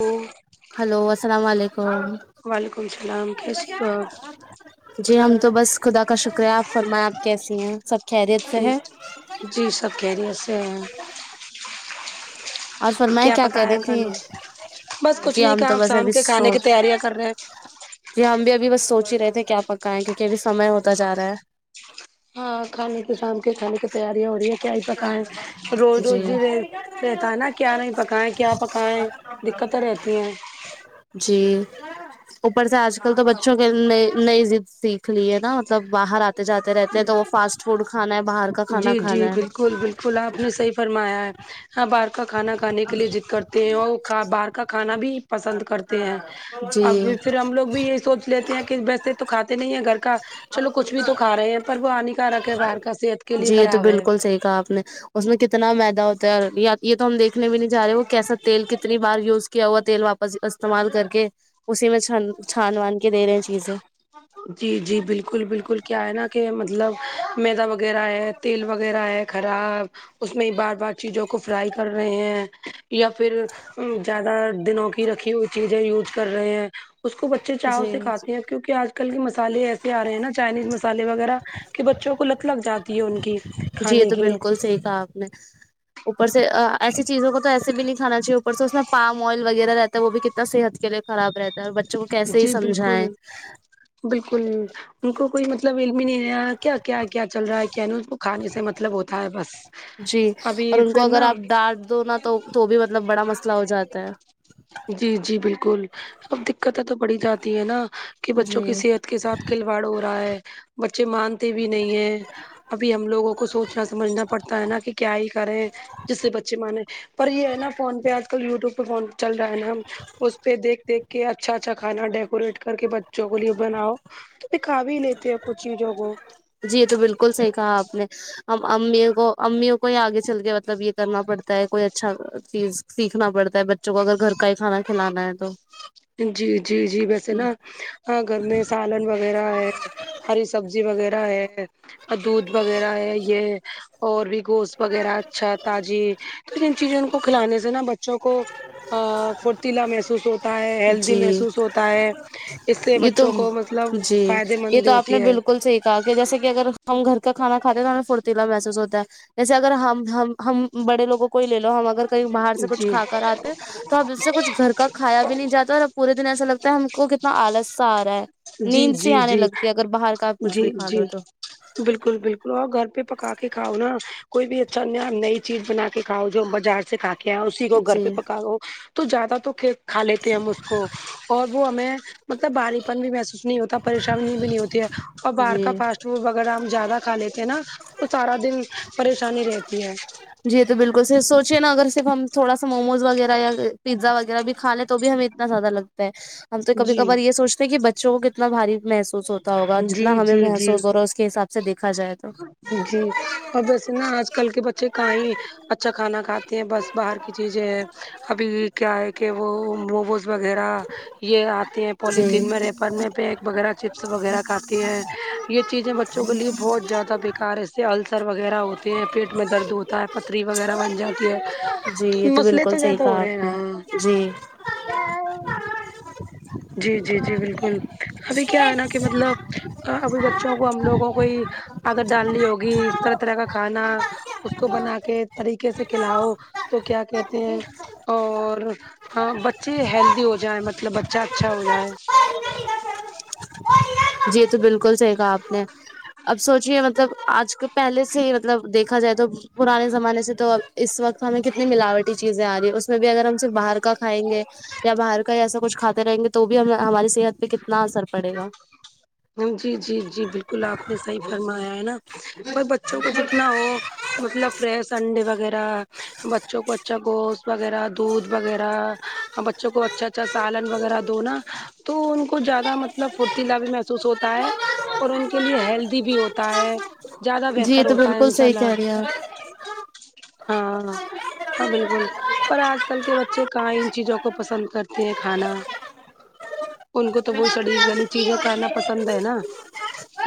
ہ ہلو السلام علیکم السلام کیسی ہو آپ؟ جی ہم تو بس خدا کا شکر ہے آپ فرمایں آپ کیسی ہیں سب خیریت سے ہے جی سب خیریت سے ہیں اور فرمائیں کیا کر پکایا رہی کھانے تھی میں بس کچھ جی نہیں ہم کہا تو آب بس شام ابھی کے کھانے کی سوچ تیاریاں کر رہے ہیں جی ہم بھی ابھی بس سوچ ہی رہ تھے کیا پکا ہے کیونکہ ابھی سمے ہوتا جا رہا ہے کھانے کے شام کے کھانے کی تیاریاں ہو رہی ہیں کیا ہی پکای روز جی روز ہی رہ رہتا ہے نا کیا نہیں پکائے کیا پکائے دقتیں رہتی ہیں جی اوپر سے آج کل تو بچوں کے نی نئی ضد سیکھ لی ہے نا مطلب باہر آ تے جاتے رہتے ہیں تو وہ فاسٹ فوڈ کھانا ہے باہر کا کھانا کھانا ہے کل اپ نے صحیح فرمایا ہے ہاں باہر کا کھانا کھانے کے لیے ضد کرتے تے وہ باہر کا کھانا بھی پسند کرتے ہیں اب جی پھر ہم لوگ بھی یہی سوچ لیتے ہیں کہ ویسے تو کھاتے نہیں ہے گھر کا چلو کچھ بھی تو کھا رہے ہیں پر وہ ہنیکرک ہے باہر کا صحت کے لیے خراب ہے سی کہا آپ نے اس میں کتنا میدا ہوتا ہے اور یہ تو ہم دیکنے بھی نہیں چہا رہے وہ کیسا تیل کتنی بار یوز کیا ہوا تیل واپس استعمال کر کے اسی میں چھان وان وان کے دے رہے ہیں چیزیں جی جی بالکل بالکل کیا ہے نا کہ مطلب میدا وغیرہ ہے تیل وغیرہ ہے خراب اس میں بار بار چیزوں کو فرائی کر رہے ہیں یا پھر زیادہ دنوں کی رکھی ہوئی چیزیں یوز کر رہے ہیں اس کو ب اچے چاہو سے جی کھاتے ہیں کیوکے آج کل کے مسالے ایسے آ رہے ہیں نا چائنیز مسالے وغیرہ کہ بچوں کو لت لگ جا تی ہے ان کی کھانے کی صعیع کھا اوپر سے ایسی چیزوں کو تو ایسے بھی نہیں کھا چاہیے اوپر سے اس میں پام آئل وغیرہ رہتا وہ بھی کتنا صحت کے لیے خراب رہتا ہے اور بچوں کو کیسے ہی جی بالکل سمجھائیں بالکل ان کو کوئی مطلب علم ہی نہیں رہا کیا کیا کیا چل رہا ہے کیا نہیں اس کو کھانے سے مطلب ہوتا ہے بس جی ابھی اور ان کو پھر اگر نا آپ ڈانٹ دو نا تو تو بھی مطلب بڑا مسئلہ ہو جاتا ہے جی جی بالکل اب دقتیں تو بڑھی جاتی ہے نا کہ ہے بچوں جی کی صحت کے ساتھ کھلواڈ ہو رہا ہے بچے مانتے بھی نہیں ہیں ابھی ہم لوگوں کو سوچنا سمجھنا پڑتا ہے نا کہ کیا ہی کریں جس سے بچے مانے پر یہ ہے نا فون پہ آج کل یوٹیوب پہ فون چل رہا ہے نا اس پہ دیکھ دیکھ کے اچھا اچھا اچھا کھانا ڈیکوریٹ کر کے بچوں کو لیے بناؤ تو بھی کھابھی لیتے ہیں کچھ چیزوں کو جی یہ تو بالکل صحیح کہا آپ نے ہم امی کو امیوں کو ہی آگے چل کے مطلب یہ کرنا پڑتا ہے کوئی اچھا چیز سیکھنا پڑتا بچوں کو اگر گھر کا ہی کھانا کھلانا ہے تو جی جی جی ویسے نا ہاں گھر میں سالن وغیرہ ہے ہری سبزی وغیرہ ہے دودھ وغیرہ ہے یہ اور بھی گوش وغیرہ اچھا تازی تو جن چیزوں کو کھلانے سے نا بچوں کو فرتیلا محسوس ہوتا ہو ہے ہیلدی جی محسوس ہوتا ہے اس سے یہ تو بچوں کو مطلب جی فائدے مند یہ بھی تو آپ نے ہوتی ہے بالکل صیحی کہا کہ جیسے کہ اگر ہم گھر کا کھانا کھے تو ہمیں فرتیلا محسوس ہوتا ہے جیسے اگر ہم ہم ہم بڑے لوگوں کو ہی لے لو ہم اگر کہیں باہر سے کچھ جی کھا کر آ تو اس سے کچھ گھر کا کایا بھی نہیں جاتا اور اب پورے دن ایسا لگتا ہے ہم کو کتنا آلس سا آ رہا ہے جی نیند سے جی آنے جی لگتی ہے اگر باہر کا آپ کچھ بھی کھالو تو وہ گھر پہ پکاکے کھاؤ نا کوئی بھی اچھا ن نئی چیز بنا کے کھاؤ جو بازار سے کھ کیا اسی کو گھر جی پہ پکاو تو زیادہ تو کھا لیتے ہم اس کو اور وہ ہمیں مطلب بھاری پن بھی محسوس نہیں ہوتا پریشانی بھی نہیں ہوتی ہے اور باہر کا جی فاس چ وغیرہ ہم زیادہ کھا لیتے ہیں نا تو سارا دن پریشانی رہتی ہے جی تو بالکل صیعی سوچے نا اگر صرف ہم تھوڑا سا موموز وغیرہ یا پزا وغیرہ بھی کھاے تو تو بھی ہمیں اتنا زیادہ لگتا ہے ہم تو کبھی جی کبار یہ سوچتے ہیں کہ بچوں کو اتنا باری محسوس ہوتا ہوگا جی جتنا ہمیں جی جی محسوس ہو رہا ہے اس کے حساب سے دیکھا جائے تو جی اور جیسے نا آج کل کے بچے کاں ہی اچھا کھانا کھاتے ہیں بس باہر کی چیزیں ہے ابھی کیا ہے کہ وہ موموز وغیرہ یہ آتی ہیں جی پوالتھین میں ریپر میں پیک وغیرہ چپس وغیرہ کھاتی ہیں یہ چیزیں بچوں کے لیے بہت زیادہ بکار ہے اسے السر وغیرہ ہوتے ہیں پیٹ میں درد ہوتا ہے پتھری وغیرہ بن جاتی ہے جی تو یہ مسئلے بالکل تو صحیح زیادہ ہو کہا رہے ہے آپ نے جی نا جی جی جی بالکل ابھی کیا ہے نا کہ مطلب ابھی بچوں کو ہم کو ہی عادت ڈالنی ہوگی اس طرح طرح کا کھانا اس کو بنا کے طریقے سے کھلاؤ تو کیا کہتے ہیں اور بچے ہیلدی ہوجائے مطلب بچہ اچھا ہو جائے جی یہ تو بالکل صحیح کہا آپ نے اب سوچے مطلب آج کے پہلے سے ہی مط لب دیکھا جائے تو پرانے زمانے سے تو ا اس وقت ہمیں کتنی ملاوٹی چیزیں آ رہی ہے اس میں بھی اگر ہم صرف باہر کا کھائیں گے یا باہر کا ایسا کچھ کھاتے رہیں گے تو بھی ہم ہماری صحت پہ کتنا اثر پڑے گا جی جی جی بالکل آپ نے صحیح فرمایا ہے نا پر بچوں کو جتنا ہو مطلب فریش انڈے وغیرہ بچوں کو اچھا گوشت وغیرہ دودھ وغیرہ اور بچوں کو اچھا اچھا سالن وغیرہ دو نا تو ان کو زیادہ مطلب فھرتیلا بھی محسوس ہوتا ہے اور ان کے لیے ہیلدی بھی ہوتا ہے زیادہ جی یہ بہتر تو ہوتا ہے بالکل انشاء صحیح اللہ کہہ رہی ہیں ہاں ہاں ہاں بالکل پر آج کل کے بچے کہاں ان چیزوں کو پسند کرتے ہیں کھانا ان کو تو وہ شڑی گلی چیزیں کھانا پسند ہے نا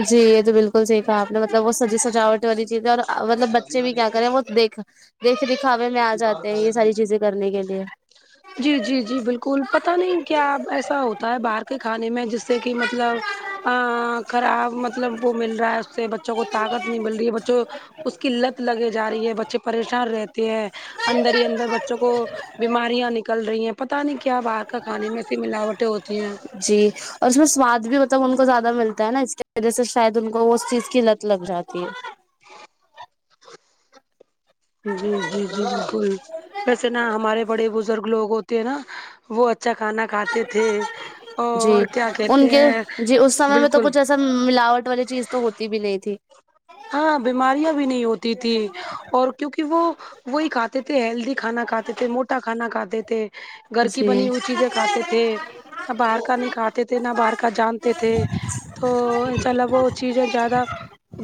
جی یہ تو بالکل سہی کہا آپ نے مطلب وہ سجی س جاوٹ والی چیز ہے اور مطلب بچے بھی کیا کریں وہ دیکھ دیکھ دیکھ کاوے میں آ جاتے ہیں یہ ساری چیزیں کرنے کے لیے جی جی جی بالکل پت نہیں کیا ایسا ہوتا ہے باہر کے کھانے میں جس سے کہ مطلب ا خراب مطلب وہ مل رہا ہے اس سے بچوں کو طاقت نہیں مل رہی ہے بچوں اس کی لت لگے جا رہی ہے بچے پریشان رہتے ہیں اندر ہی اندر بچوں کو بیماریاں نکل رہی ہیں پتاہ نہیں کیا باہر کا کھانے میں ایسی ملاوٹیں ہوتی ہیں جی اور اس میں سواد بھی مطلب ان کو زیادہ ملتا ہے نا اس کی وجہ سے شاید ان کو وہ اس چیز کی لت لگ جاتی ہے جی جی جی بالکل ویسے نا ہمارے بڑے بزرگ لوگ ہوتے ہیں نا وہ اچھا کھانا کھاتے تھے جی اور کیا ان کہتے کے ہیں جی اس سمے میں تو بالکل کچھ ایسا سب ملاوٹ والی چیز تو ہوتی بھی نہیں تھی ہاں بیماریاں بھی نہیں ہوتی تھیں اور کیونکہ وہ وہی کھاتے تھے ہیلدی کھانا کھاتے تھے موٹا کھانا کھاتے تھے گھر کی بنی جی ہوئی چیزیں کھاتے تھے تھے باہر کا نہیں کھتے تھے نہ باہر کا جانتے تھے تو انشاء اللہ وہ چیزیں زیادہ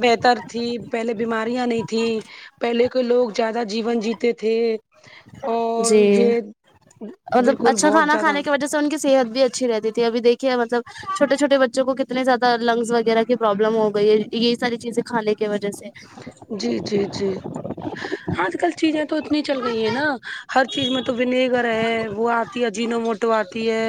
بہتر تھی پہلے بیماریاں نہیں تھیں پہلے کے لوگ زیادہ جیون جیتے تھے جی اور یہ مطلب بالکل اچھا بہت کھانا زیادہ کھانے کی وجہ سے ان کی صحت بھی اچھی رہتی تھی اب دیکھیے مطلب چھٹے چھوے بچوں کو اتنے زیادہ لنگس وغیرہ کی پروابلم ہو گئی یہی ساری چیزیں کھانے کی وجہ سے جی جی جی آج کل چیزیں تو اتنی چل گئی ہے نا ہر چیز میں تو وینگر ہے وہ آتی ہے جینو موٹو آتی ہے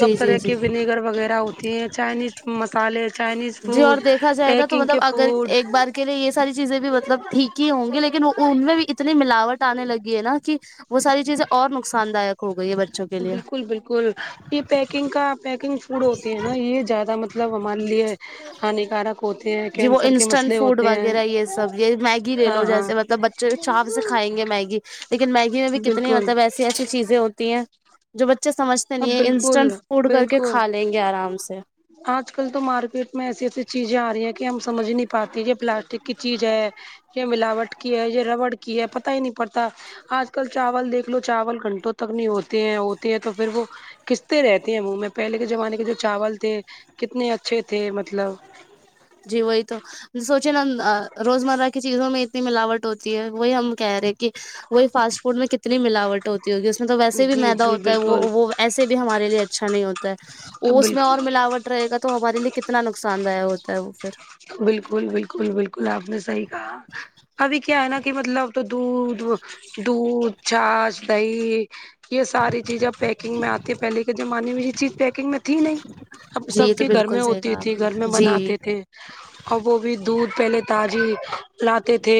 جی جی طرح کے جی ونیگر وغیرہ ہوتی ہیں چائنیز پالے چائنیز جی فوڈ اور دیکھا جائے نا تو پیکنگ مطلب کے اگر فوڈ ایک بار لیے یہ ساری چیزیں بھی مطلب ٹھیک ہی ہوں گی لیکن ان میں بھی اتنی ملاوٹ آنے لگی ہے نا کہ وہ ساری چیزیں اور نقصاندہ ہے بچوں کے لیے بالکل بالکل یہ پیکنگ کا پیکنگ فوڈ ہوتی ہے نا یہ زیادہ مطلب وہ مان لیے ہانیکارک ہوتے ہیں جی وہ کینسر کے انسٹنٹ مسئلے فوڈ ہوتے ہیں وغیرہ یہ سب یہ میگی لے ہاں لو ہاں جیسے مطلب بچ چاپ سے کھائیں گے میگی لیکن میگی میں بھی کتنی بالکل مطلب ایسے ایسی ایسی چیزیں ہوتی ہیں جو بچے سمجھتے اب چلیے انسٹنٹ بالکل فوڈ کر کے بالکل کھا لیں گے آرام سے آج کل تو مارکیٹ میں ایسی ایسی چیزیں آ رہی ہیں کہ ہم سمجھ نہیں پاتے یہ پلاسٹک کی چیز ہے یہ ملاوٹ کی ہے یہ ربڑ کی ہے پتا ہی نہیں پڑتا آج کل چاول دیکھ لو چاول گھنٹوں تک نہیں ہوتے ہیں ہوتے ہیں تو پھر وہ کستے رہتے ہیں وہ میں پہلے کے زمانے کے جو چاول تھے کتنے اچھے تھے مطلب جی وہی تو سوچے نا روزمرہ کی چیزوں میں نی ملاوٹ ہوتی ہے وہی ہم کہہ رہے کہ وہی فاسٹ فوڈ میں کتنی ملاوٹ ہوتی ہوگی اس میں تو ویسے بھی جی میدا جی ہوتا ہے بالکل وہ وسے بھی ہمارے لیے اچھا نہیں ہوتا ہے وہ اس میں بالکل اور ملاوٹ رہے گا تو ہمارے لیے کتنا نقصان دا ہوتا ہے وہ پھر بالکل بالکل بالکل آپ نے صحیح ابھی کیا ہے نا کہ مطلب تو دودھ دودھ چا صحیح یہ ساری چیزیں پیک اب جی سب یہ تو کی گھر میں بالکل صحیح ہوتی کہا آپ تھی گھر میں نے جی بناتے تھے اور وہ بھی دودھ پہلے تازی لاتے تھے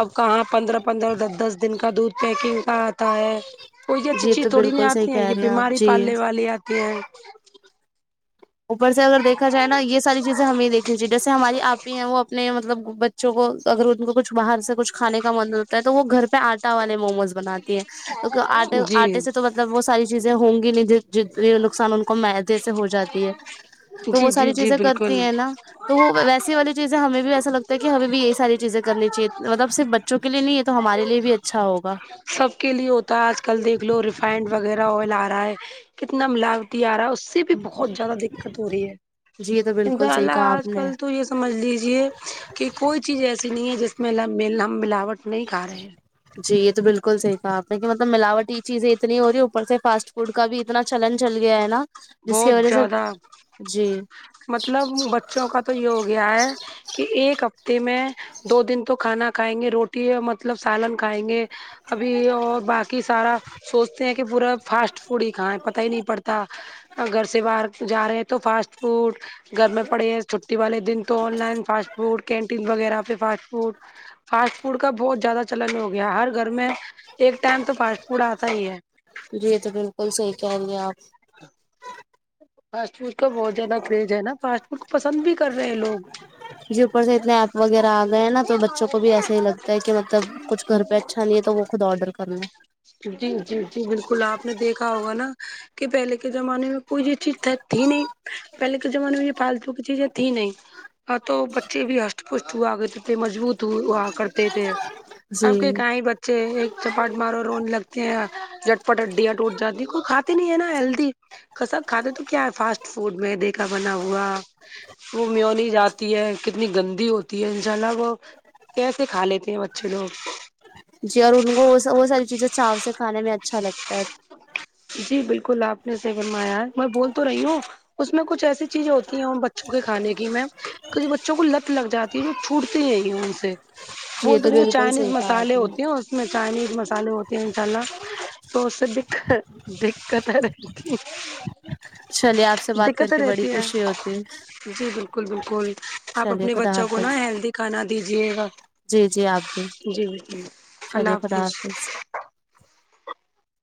اب کہاں پندرہ پندرہ دس دس دن کا دودھ پیکنگ کا آتا ہے کو یہ اچھی جی چیز تو تھوڑی نہیں بالکل صحیح آتی ہے کہہ یہ رہے ہیں آپ بیماری جی پالنے والی آتی ہیں اوپر سے اگر دیکا جائے نا یہ جو اگر ان کو کچھ باہر سے کچھ کھان کا من ہوتا ہے تو وہ گھر پہ آٹا والے موموز بناتی ہے آٹے جی آرٹے سے تو مطلب وہ ساری چیزیں ہوں گی نہیں جتنے نقصان ان کو مدے سے ہو جاتی ہے تو جی وہ جی ساری جی چیزیں کرتی بالکل ہیں نا تو وہ ویسی والی چیزیں ہمیں بھی ایسا لگتا ہے کہ ہمیں بھی یہی ساری چیزیں کرنی چاہیے مطلب صرف بچ چونک لیے نہیں یہ تو ہمارے لیے بھی اچھا ہوگا سب کے لیے ہوتا ہے آج کل دیکھ لو ریفائنڈ وغیرہ آئل آ رہا ہے کتنا ملاوتی آ رہا ہے اس سے بھی بہت زیادہ دقت ہو رہی ہے جی یہ تو بالکل صحیح اناءلہ کہا آپ آج نے کل تو یہ سمجھ لیجیے کہ کوئی چیز ایسی نہیں ہے جس میں ہم ملاوٹ نہیں کا رہے ہیں جی یہ تو بالکل صحیح کھا آپ نے کہ مطلب ملاوٹ کی چیزیں اتنی ہو رہی اوپر سے فاسٹ فوڈ کا بھی اتنا چلن چل گیا ہے نا جس کی بہت وجہ سے زیادہ جی مطلب بچوں کا تو یہ ہو گیا ہے کہ ایک ہفتے میں دو دن تو کھانا کھائیں گے روٹی مطلب سالن کھائیں گے ابھی اور باقی سارا سوچتے ہیں کہ پورا فاسٹ فوڈ ہی کھائیں پتہ ہی نہیں پڑتا اگرھر سے باہر جا رہے ہیں تو فاسٹ فوڈ گھر میں پڑے ہیں چھٹی والے دن تو online fast food canteen وغیرہ پہ فاسٹ فوڈ فاسٹ فوڈ کا بہت زیادہ چلن ہو گیا ہر گھر میں ایک ٹائم تو فاسٹ فوڈ آتا ہی ہے جی تو بالکل صحیح کہہ رہی ہیں آپ فاسٹ فوڈ کا بہت زیادہ کرز ہے نا فاسٹ فوڈ کو پسند بھی کر رہے لوگ جی اوپر سے اتنے ایپ وغیرہ آ گئے ہیں نا تو بچوں کو بھی ایسا ہی لگتا ہے کہ مطلب کچھ گھر پہ اچھا لیے تو وہ خود آرڈر کرنا ہے جی جی جی بالکل آپ نے دیکھا ہوگا نا کہ پہلے کے زمانے میں کوئی اچھی تھی نہیں پہلے کے زمانے میں یہ پالتو کی چیزیں تھی نہیں ہاں تو بچے بھی ارٹ پشٹ ہو آ گئے تھ تھے مجبوط اور وہ ہوا کرتے تھے جی اب کے کہیں ب چے ایک چپاٹ مارو رونے لگتے ہیں جٹپٹ ہڈیاں ٹوٹ جاتی ہیں کوئی کھاتے نہیں ہے نا ہیلدی کسا کھانے تو کیا ہے فاسٹ فوڈ میں دیکھا بنا ہوا وہ میونی جاتی ہے کتنی گندی ہوتی ہے انشاء اللہ وہ کیسے کھا لیتے ہیں بچے لوگ جی اور ان کو وہ ساری چیزیں چاؤ سے کھانے میں اچھا لگتا ہے جی بالکل آپ نے سے بنوایا ہے میں بول تو رہی ہوں اس میں کچھ ایسی چیزیں ہوتی ہیں بچوں کے کھانے کی میں تو جو بچوں کو لت لگ جاتی چھوٹتی نہیں ان سے جی یہ بول تو رہی بالکل چائنیز صحیح کہا آپ مصالحے نے ہوتے ہیں اس میں چائنیز مسالحے ہوتے ہیں انشاء اللہ تو دقت دقت ہے رہتی چلیے آپ سے بات کر دقتیں کے بڑی رہتی ہیں خوشی ہوتی جی بالکل بالکل آپ چلیے اپنے خدا بچوں کو نا حافظ ہیلدی کھانا دیجیے گا جی جی آبد جی بالکل شلی خدا حافظ